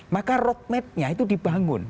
maka roadmapnya itu dibangun